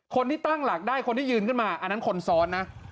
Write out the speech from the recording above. คนที่ตั้งหลักได้คนที่ยืนขึ้นมาอันนั้นคนซ้อนนะ